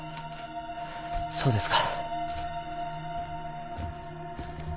そうですか。